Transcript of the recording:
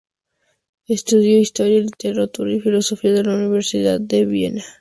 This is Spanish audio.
Estudió historia, literatura y filosofía en la Universidad de Viena.